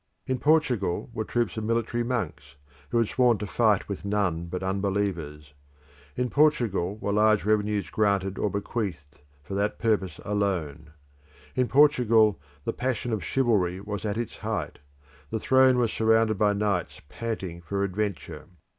In Portugal were troops of military monks, who had sworn to fight with none but unbelievers. In Portugal were large revenues granted or bequeathed for that purpose alone. In Portugal the passion of chivalry was at its height; the throne was surrounded by knights panting for adventure.